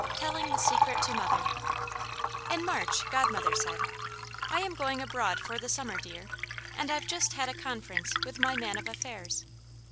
IX TELLING THE SECRET TO MOTHER In March, Godmother said: "I am going abroad for the summer, dear, and I've just had a conference with my man of affairs.